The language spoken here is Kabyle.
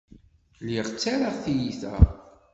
Lliɣ ttarraɣ tiyita.